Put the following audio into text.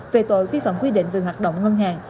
về tội vi phạm quy định về hoạt động ngân hàng